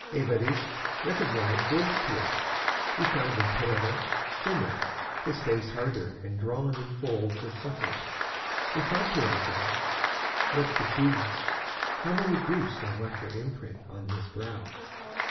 Évariste recognized Robespierre. He found him paler, thinner, his face harder and drawn in folds of suffering. He thought to himself: "What fatigues, how many griefs have left their imprint on his brow!